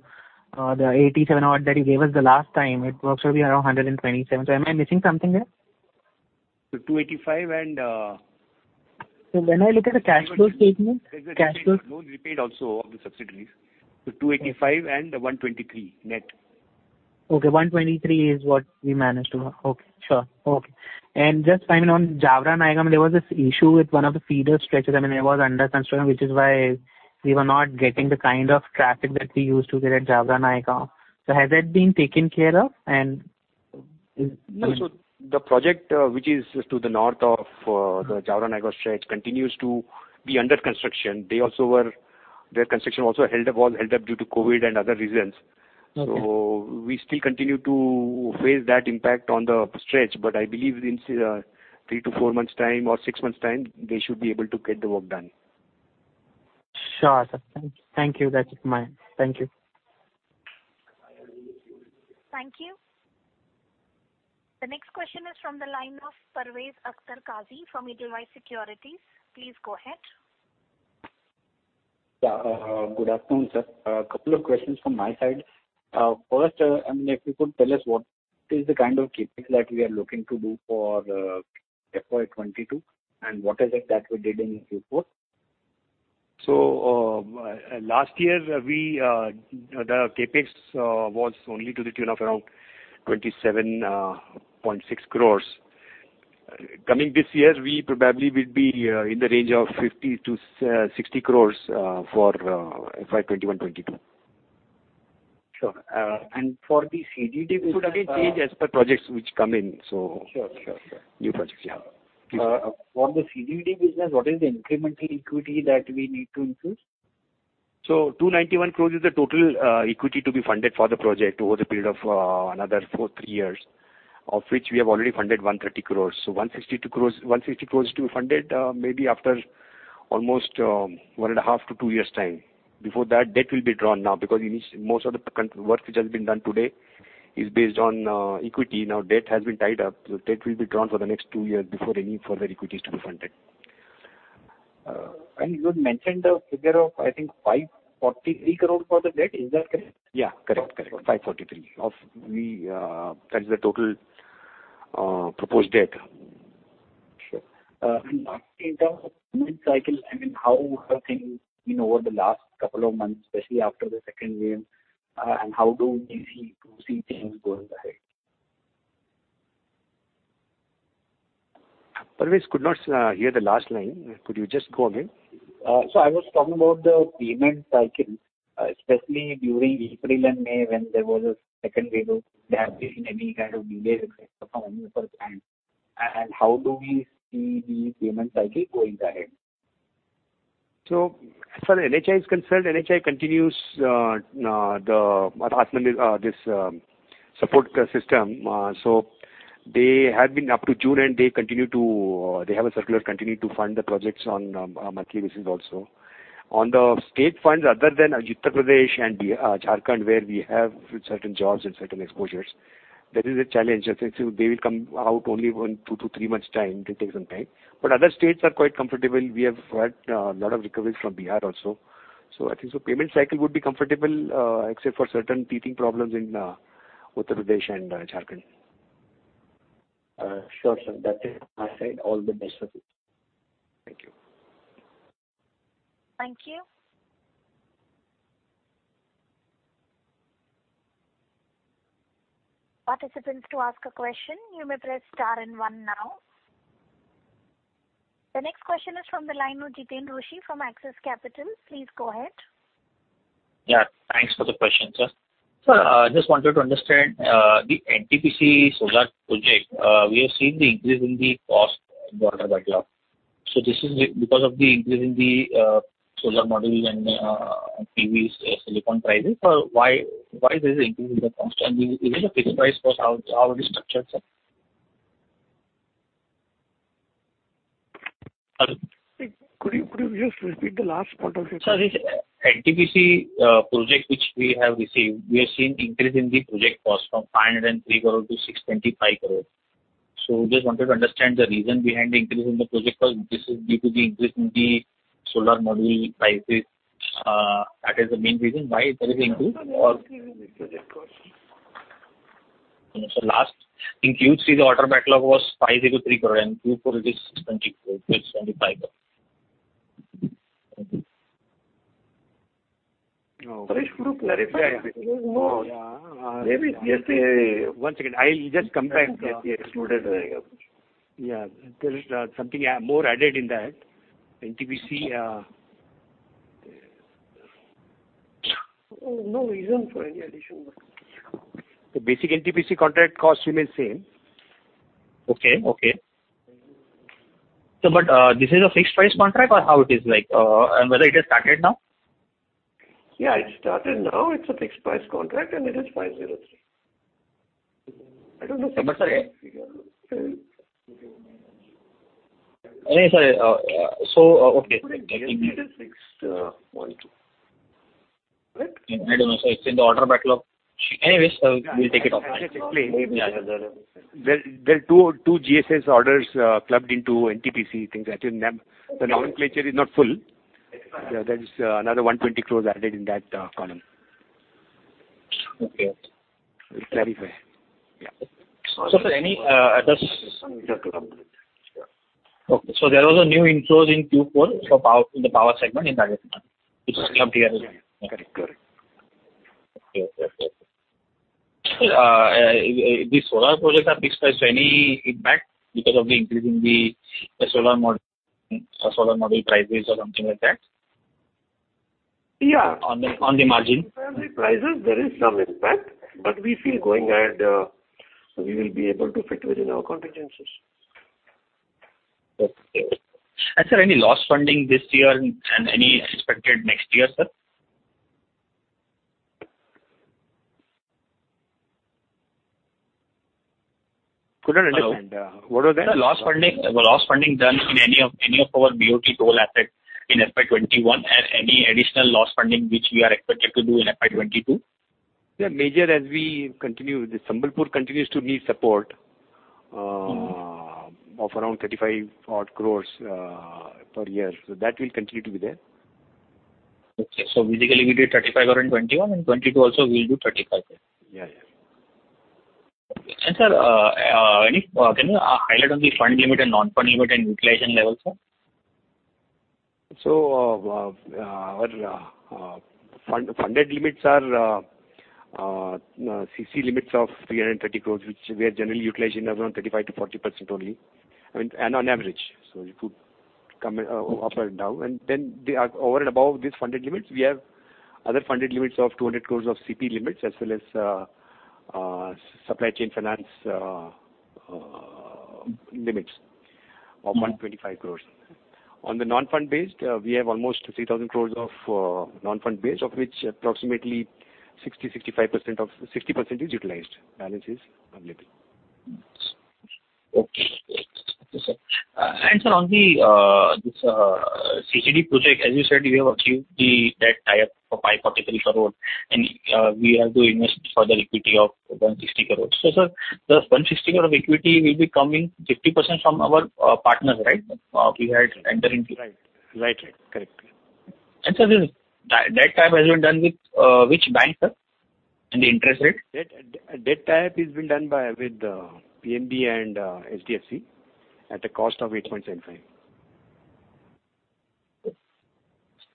the 87 crore that you gave us the last time, it works out to be around 127 crore. So am I missing something there? So 285 crore and When I look at the cash flow statement, cash flow- There's a loan repaid also of the subsidiaries. So 285 and 123 net. Okay, 123 crore is what we managed to... Okay, sure. Okay. And just finally, on Jawaharnagar, there was this issue with one of the feeder stretches. I mean, it was under construction, which is why we were not getting the kind of traffic that we used to get at Jawaharnagar. So has that been taken care of, and is- No. So the project, which is to the north of the Jawaharnagar stretch, continues to be under construction. Their construction also held up, all held up due to COVID and other reasons. Okay. So we still continue to face that impact on the stretch, but I believe in three to four months' time or six months' time, they should be able to get the work done. Sure, sir. Thank, thank you. That's it my... Thank you. Thank you. The next question is from the line of Parvez Akhtar Kazi from Edelweiss Securities. Please go ahead. Yeah. Good afternoon, sir. A couple of questions from my side. First, I mean, if you could tell us what is the kind of CapEx that we are looking to do for FY 2022, and what is it that we did in Q4? So, last year, we, the CapEx, was only to the tune of around 27.6 crores. Coming this year, we probably will be in the range of 50-60 crores, for FY 2021-2022. Sure. And for the CGD business- It would again change as per projects which come in, so- Sure, sure, sure. New projects, yeah. For the CGD business, what is the incremental equity that we need to infuse? So 291 crore is the total equity to be funded for the project over the period of another four, three years, of which we have already funded 130 crore. So 162 crore, 160 crore to be funded, maybe after almost one and a half to two years' time. Before that, debt will be drawn now, because most of the construction work which has been done today is based on equity. Now, debt has been tied up, so debt will be drawn for the next two years before any further equity is to be funded. You had mentioned the figure of, I think, 543 crore for the debt. Is that correct? Yeah. Correct, correct. Okay. 543 of the, that is the total proposed debt. Sure. In terms of payment cycle, I mean, how have things been over the last couple of months, especially after the second wave? How do we see, you see things going ahead? Parvez, could not hear the last line. Could you just go again? So, I was talking about the payment cycle, especially during April and May, when there was a second wave, have there been any kind of delays from any person? And, and how do we see the payment cycle going ahead? So as far as NHAI is concerned, NHAI continues the support system. So they have been up to June, and they continue to, they have a circular continue to fund the projects on a monthly basis also. On the state funds, other than Uttar Pradesh and Jharkhand, where we have certain jobs and certain exposures, there is a challenge. I think they will come out only in two to three months' time. It will take some time. But other states are quite comfortable. We have had a lot of recoveries from Bihar also. So I think the payment cycle would be comfortable, except for certain teething problems in Uttar Pradesh and Jharkhand. Sure, sir. That's it my side. All the best for you. Thank you. Thank you. Participants, to ask a question, you may press star and one now. The next question is from the line of Jiten Rushi from Axis Capital. Please go ahead. Yeah, thanks for the question, sir. Sir, just wanted to understand the NTPC solar project. We have seen the increase in the cost quarter by quarter. So this is because of the increase in the solar modules and PVs silicon prices. So why, why there is an increase in the cost? And is it a fixed price cost already structured, sir?... Hello, could you just repeat the last part of it? Sir, the NTPC project which we have received, we are seeing increase in the project cost from 503 crore to 625 crore. So just wanted to understand the reason behind the increase in the project cost. This is due to the increase in the solar module prices, that is the main reason why there is an increase or? So last, in Q3, the order backlog was 503 crore, and Q4, it is INR 624, INR 625 crore. Thank you. Oh, Paresh, could you clarify? Maybe just one second, I'll just come back to the excluded... Yeah, there is something more added in that. NTPC. No, no reason for any addition. The basic NTPC contract cost remains same. Okay, okay. But, this is a fixed price contract or how it is like, and whether it has started now? Yeah, it started now. It's a fixed price contract, and it is 503. I don't know. Sorry. Anyway, sorry, so, okay. It is fixed, one, two. Right? I don't know, sir. It's in the order backlog. Anyways, we'll take it off. There are two GSS orders clubbed into NTPC, things like in them. The nomenclature is not full. There is another 120 crore added in that column. Okay. We'll clarify. Yeah. So, sir, any. Okay, so there was a new inflows in Q4 for power, the power segment in the current one. It's up here. Correct, correct. Okay, okay, okay. The solar projects are fixed price, so any impact because of the increase in the solar module prices or something like that? Yeah. On the margin. The prices, there is some impact, but we feel going ahead, we will be able to fit within our contingencies. Okay. And sir, any loss funding this year and any expected next year, sir? Couldn't understand. What was that? Loss funding, loss funding done in any of, any of our BOT toll assets in FY 2021, and any additional loss funding which we are expected to do in FY 2022? Yeah, major as we continue, the Sambalpur continues to need support. Mm-hmm. -of around 35-odd crore per year. So that will continue to be there. Okay. So basically, we did 35 crore in 2021, and 2022 also, we'll do 35 crore. Yeah, yeah. Sir, can you highlight on the fund limit and non-fund limit and utilization level, sir? So, our funded limits are CC limits of 330 crore, which we are generally utilizing around 35%-40% only, and on average. So it could come up and down. And then they are over and above these funded limits, we have other funded limits of 200 crore of CP limits, as well as supply chain finance limits of 125 crore. On the non-fund based, we have almost 3,000 crore of non-fund based, of which approximately 60, 65% of... 60% is utilized. Balance is available. Okay. Okay, sir. And sir, on this CCD project, as you said, we have achieved the debt tie-up for 543 crore, and we have to invest further equity of 160 crore. So sir, the 160 crore of equity will be coming 50% from our partners, right? We had entered into- Right. Right, right. Correct. Sir, this debt, debt tie-up has been done with which bank, sir, and the interest rate? Debt tie-up is been done with PNB and HDFC at a cost of 8.75.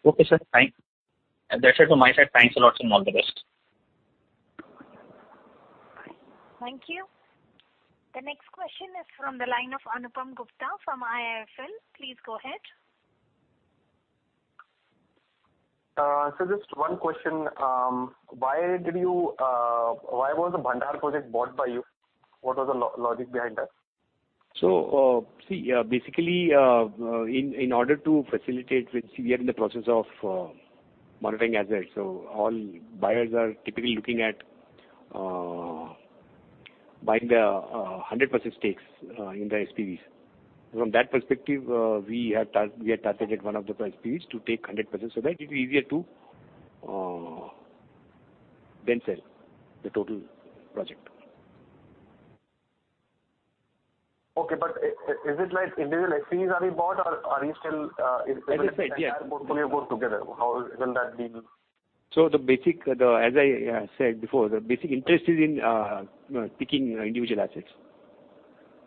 Okay, sir. That's it from my side. Thanks a lot, and all the best. Thank you. The next question is from the line of Anupam Gupta from IIFL. Please go ahead. Just one question. Why did you... Why was the Bhandara project bought by you? What was the logic behind that? So, see, basically, in order to facilitate which we are in the process of monetizing assets. So all buyers are typically looking at buying the 100% stakes in the SPVs. From that perspective, we have targeted one of the SPVs to take 100%, so that it's easier to then sell the total project. Okay, but is it like individual SPVs are being bought or, are you still together? How will that be? As I said before, the basic interest is in picking individual assets,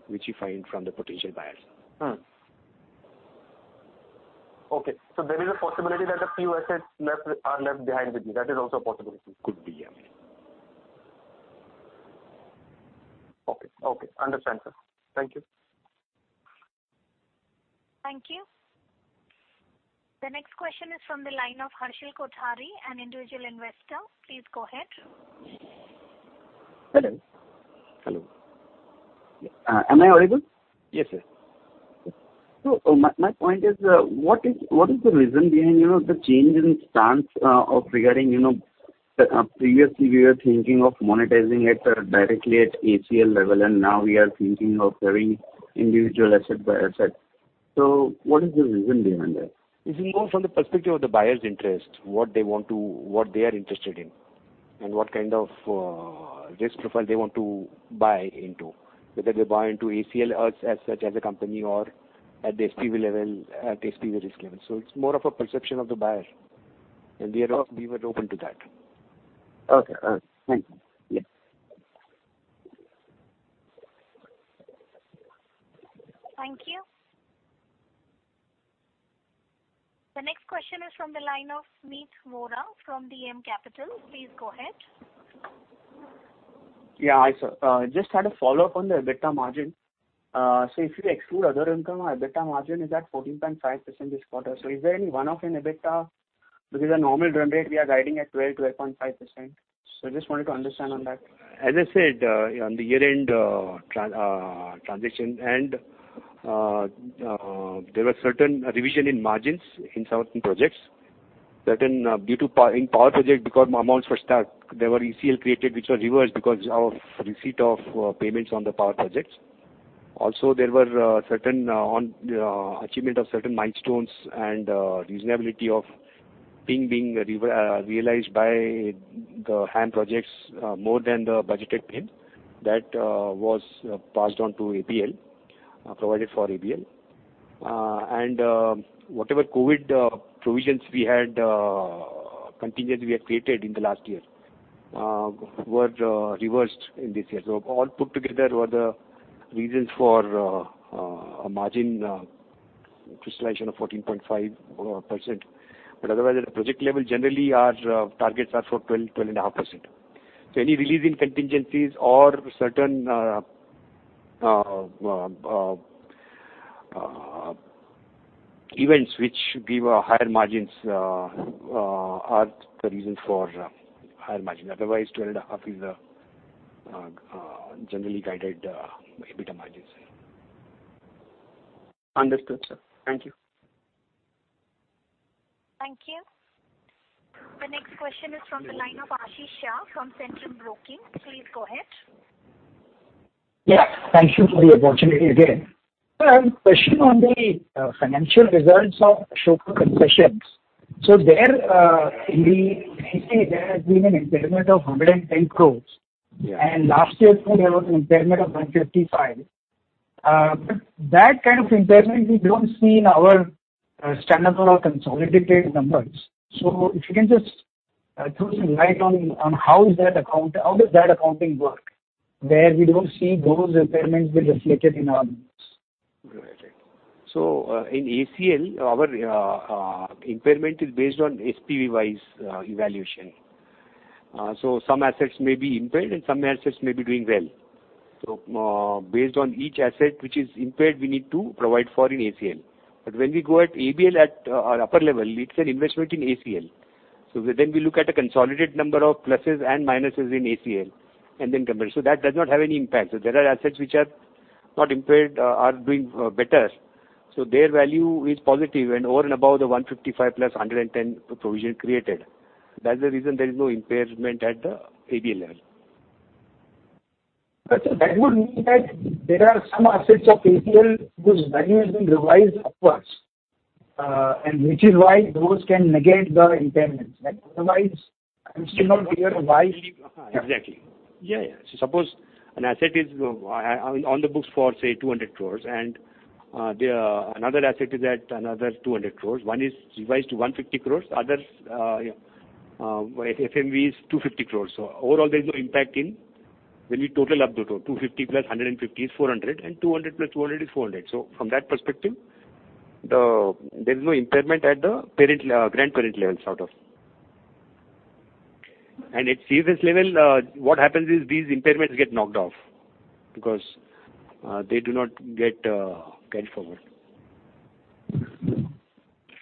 which you find from the potential buyers. Okay, so there is a possibility that a few assets left, are left behind with you. That is also a possibility. Could be, yeah. Okay, okay. Understand, sir. Thank you. Thank you. The next question is from the line of Harshal Kothari, an individual investor. Please go ahead. Hello. Hello. Am I audible? Yes, sir. So my point is, what is the reason behind, you know, the change in stance of regarding, you know sir, previously we were thinking of monetizing it, directly at ACL level, and now we are thinking of having individual asset by asset. So what is the reason behind that? It's more from the perspective of the buyer's interest, what they want to, what they are interested in, and what kind of risk profile they want to buy into. Whether they buy into ACL as, as such, as a company or at the SPV level, at SPV risk level. So it's more of a perception of the buyer, and we are, we were open to that. Okay. Thank you. Yes. Thank you. The next question is from the line of Meet Vora from DAM Capital. Please go ahead. Yeah, hi, sir. Just had a follow-up on the EBITDA margin. So if you exclude other income, our EBITDA margin is at 14.5% this quarter. So is there any one-off in EBITDA? Because the normal run rate, we are guiding at 12%-11.5%. So just wanted to understand on that. As I said, on the year-end transition, there were certain revision in margins in certain projects. Certain, due to power project, because amounts were stuck, there were ECL created, which were reversed because of receipt of payments on the power projects. Also, there were certain on achievement of certain milestones and reasonability of PIM being realized by the HAM projects, more than the budgeted PIM. That was passed on to ABL, provided for ABL. And whatever COVID provisions we had contingent we had created in the last year were reversed in this year. So all put together were the reasons for a margin crystallization of 14.5%. But otherwise, at the project level, generally, our targets are for 12-12.5%. So any release in contingencies or certain events which give higher margins are the reason for higher margin. Otherwise, 12.5% is generally guided EBITDA margins. Understood, sir. Thank you. Thank you. The next question is from the line of Ashish Shah from Centrum Broking. Please go ahead. Yeah, thank you for the opportunity again. Sir, question on the financial results of Ashoka Concessions. So there, in the, there has been an impairment of 110 crore. Yeah. Last year, there was an impairment of 155 crore. But that kind of impairment, we don't see in our standalone or consolidated numbers. So if you can just throw some light on how is that account... How does that accounting work, where we don't see those impairments be reflected in our numbers? Right. So, in ACL, our impairment is based on SPV-wise evaluation. So some assets may be impaired and some assets may be doing well. So, based on each asset which is impaired, we need to provide for in ACL. But when we go at ABL at our upper level, it's an investment in ACL. So then we look at a consolidated number of pluses and minuses in ACL, and then compare. So that does not have any impact. So there are assets which are not impaired, are doing better. So their value is positive and over and above the 155 + 110 provision created. That's the reason there is no impairment at the ABL level. But, sir, that would mean that there are some assets of ACL whose value has been revised upwards, and which is why those can negate the impairments, right? Otherwise, I'm still not clear why- Exactly. Yeah, yeah. So suppose an asset is on the books for, say, 200 crore, and another asset is at another 200 crore. One is revised to 150 crore, other FMV is 250 crore. So overall, there is no impact when you total up the two. 250 + 150 is 400, and 200 + 200 is 400. So from that perspective, there's no impairment at the parent grandparent level, sort of. And at CFS level, what happens is these impairments get knocked off because they do not get carried forward.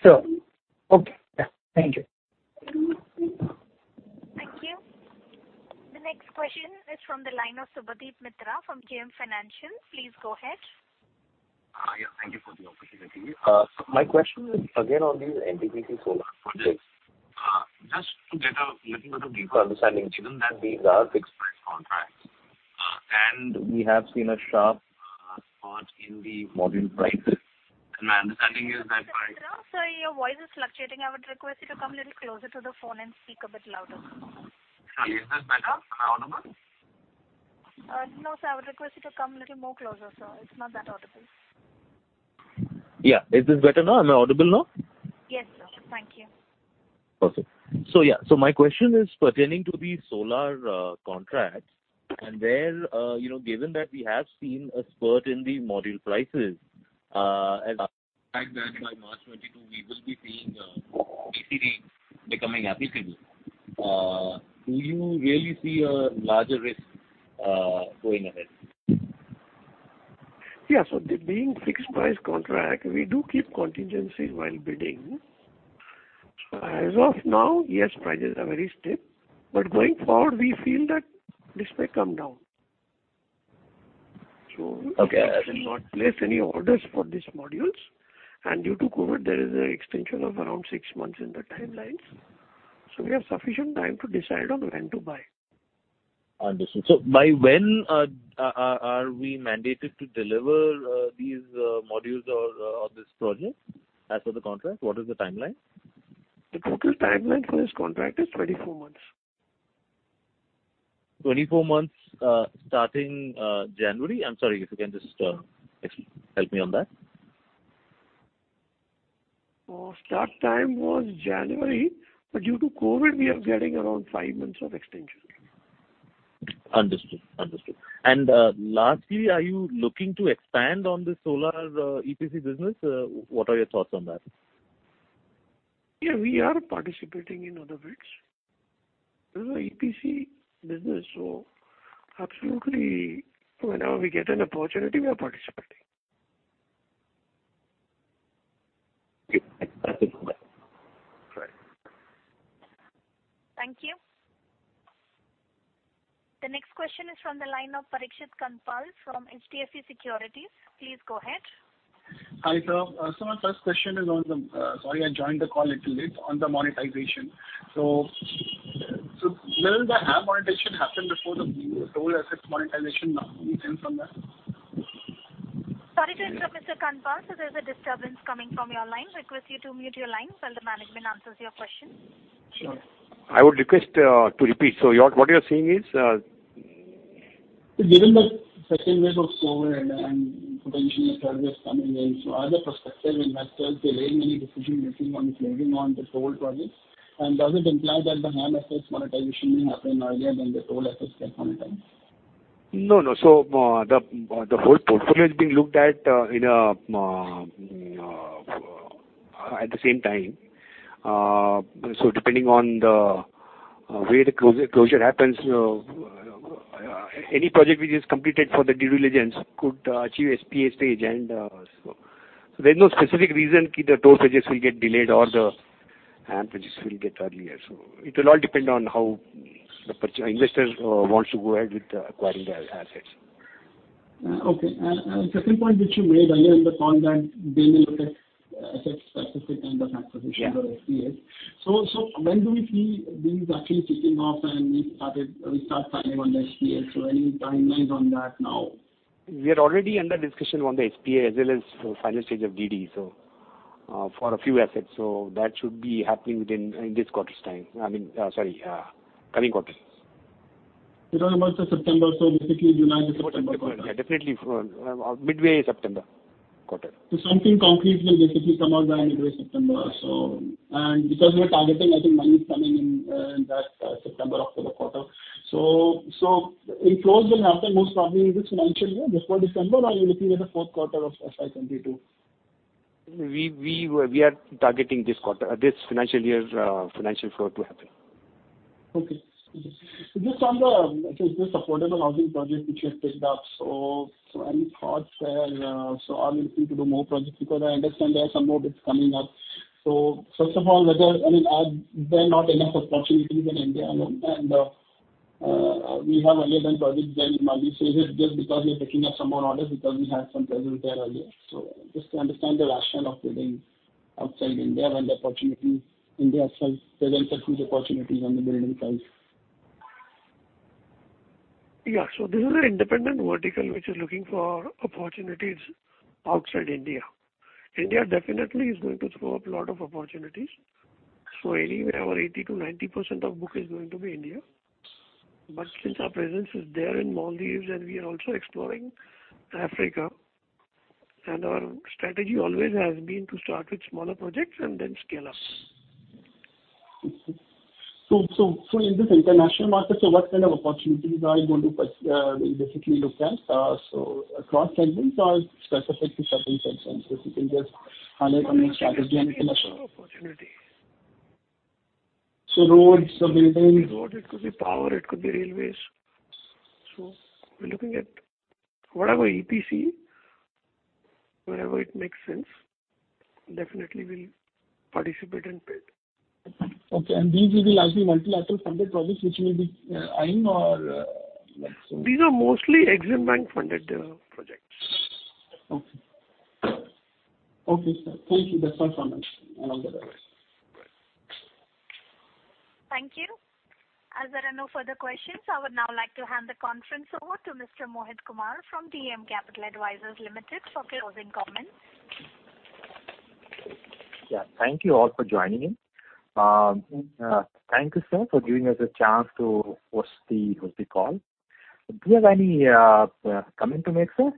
Sure. Okay. Yeah. Thank you. Thank you. The next question is from the line of Subhadip Mitra from JM Financial. Please go ahead. Yeah, thank you for the opportunity. So my question is again on the NTPC solar projects. Just to get a little bit of deeper understanding, given that these are fixed price contracts, and we have seen a sharp spot in the module prices. And my understanding is that by- Sir, sorry, your voice is fluctuating. I would request you to come a little closer to the phone and speak a bit louder. Is this better? Am I audible? No, sir, I would request you to come a little more closer, sir. It's not that audible. Yeah. Is this better now? Am I audible now? Yes, sir. Thank you. Perfect. So, yeah, so my question is pertaining to the solar contract, and there, you know, given that we have seen a spurt in the module prices, and the fact that by March 2022, we will be seeing basically becoming applicable, do you really see a larger risk going ahead? Yeah, so the being fixed price contract, we do keep contingencies while bidding. As of now, yes, prices are very steep, but going forward, we feel that this may come down.... Okay, we will not place any orders for these modules. Due to COVID, there is an extension of around six months in the timelines, so we have sufficient time to decide on when to buy. Understood. So by when are we mandated to deliver these modules or this project? As for the contract, what is the timeline? The total timeline for this contract is 24 months. 24 months, starting January? I'm sorry, if you can just help me on that. Start time was January, but due to COVID, we are getting around five months of extension. Understood. Understood. And, lastly, are you looking to expand on the solar, EPC business? What are your thoughts on that? Yeah, we are participating in other bids. This is an EPC business, so absolutely, whenever we get an opportunity, we are participating. Okay, right. Thank you. The next question is from the line of Parikshit Kanpal from HDFC Securities. Please go ahead. Hi, sir. So my first question is on the... Sorry, I joined the call a little late, on the monetization. So, so will the HAM monetization happen before the toll assets monetization now, any hint on that? Sorry to interrupt, Mr. Kandpal. So there's a disturbance coming from your line. Request you to mute your line while the management answers your question. I would request to repeat. So what you're saying is...? Given the second wave of COVID and potential third wave coming in, so are the prospective investors; there are many decision making on moving on the toll projects, and does it imply that the HAM assets monetization will happen earlier than the toll assets get monetized? No, no. So, the whole portfolio is being looked at at the same time. So depending on where the closure happens, any project which is completed for the due diligence could achieve SPA stage. And, so there's no specific reason the toll projects will get delayed or the HAM projects will get earlier. So it will all depend on how the investor wants to go ahead with acquiring the assets. Okay. And second point which you made earlier in the call, that they will affect specific end of transition or SPAs. Yeah. So, when do we see these actually kicking off and we start signing on the SPA? So any timelines on that now? We are already under discussion on the SPA as well as final stage of DD, so, for a few assets. So that should be happening within this quarter's time. I mean, sorry, coming quarters. You're talking about the September, so basically July to September. Definitely for midway September quarter. Something concrete will basically come out by midway September. Because we are targeting, I think money is coming in, that September, October quarter. So inflows will happen most probably this financial year, before December, or you looking at the fourth quarter of FY 2022? We are targeting this quarter, this financial year's financial flow to happen. Okay. So just on the, I think this affordable housing project which you have picked up, so, so any thoughts there? So are you looking to do more projects? Because I understand there are some more bids coming up. So first of all, whether, I mean, are there not enough opportunities in India, no? And, we have earlier done projects there in Maldives. So is it just because we are picking up some more orders, because we have some presence there earlier? So just to understand the rationale of getting outside India, when the opportunity India itself presents a huge opportunities on the building side. Yeah. So this is an independent vertical which is looking for opportunities outside India. India definitely is going to throw up a lot of opportunities. So anywhere, 80%-90% of book is going to be India. But since our presence is there in Maldives, and we are also exploring Africa, and our strategy always has been to start with smaller projects and then scale up. Okay. So in this international market, what kind of opportunities are you going to basically look at? So across segments or specific to certain segments, if you can just highlight on your strategy on international- Opportunities. So roads, the buildings- It could be power, it could be railways. So we're looking at whatever EPC, wherever it makes sense, definitely we'll participate and bid. Okay. And these will be largely multilateral funded projects, which will be AIM or... These are mostly Exim Bank funded projects. Okay. Okay, sir. Thank you. That's all from us. Thank you. As there are no further questions, I would now like to hand the conference over to Mr. Mohit Kumar from DAM Capital Advisors Limited for closing comments. Yeah. Thank you all for joining in. Thank you, sir, for giving us a chance to host the call. Do you have any comment to make, sir,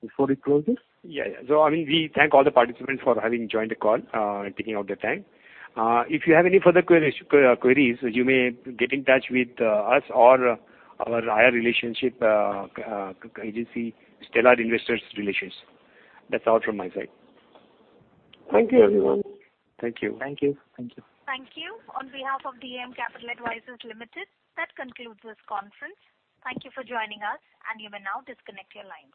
before we close this? Yeah, yeah. So, I mean, we thank all the participants for having joined the call, and taking out the time. If you have any further queries, you may get in touch with us or our IR relationship agency, Stellar Investor Relations. That's all from my side. Thank you, everyone. Thank you. Thank you. Thank you. Thank you. On behalf of DAM Capital Advisors Limited, that concludes this conference. Thank you for joining us, and you may now disconnect your lines.